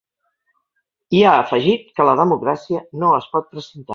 I ha afegit que ‘la democràcia no es pot precintar’.